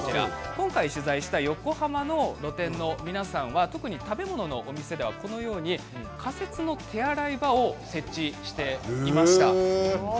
今回取材した横浜の露店の皆さんは特に食べ物のお店ではこうやって仮設の手洗い場を設置していました。